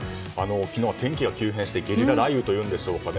昨日は天気が急変してゲリラ雷雨というんでしょうかね。